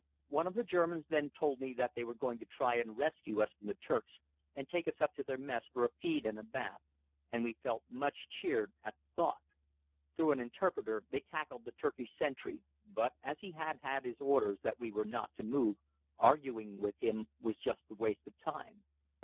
One of the Germans then told me that they were going to try and rescue us from the Turks and take us up to their mess for a feed and a bath, and we felt much cheered at the thought. Through an interpreter they tackled the Turkish sentry; but, as he had had his orders that we were not to move, arguing with him was just waste of time.